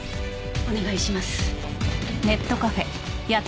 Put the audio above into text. お願いします。